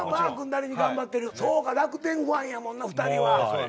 そうか楽天ファンやもんな２人は。